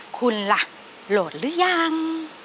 คุณล่ะโหลดหรือยัง